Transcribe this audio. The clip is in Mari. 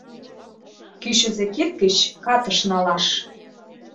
Кӱчызӧ кид гыч катыш налаш...